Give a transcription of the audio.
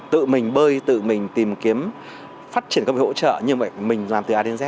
tự mình bơi tự mình tìm kiếm phát triển công việc hỗ trợ như vậy mình làm từ a đến z